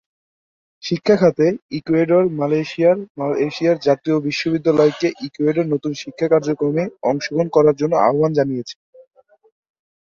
শিক্ষা খাতে ইকুয়েডর মালয়েশিয়ার মালয়েশিয়ার জাতীয় বিশ্ববিদ্যালয়কে ইকুয়েডরের নতুন শিক্ষা কার্যক্রমে অংশগ্রহণ করার জন্য আহবান জানিয়েছে।